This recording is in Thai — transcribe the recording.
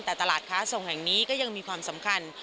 แต่ตลาดค้าส่งแห่งนี้ก็ยังมีความสำคัญ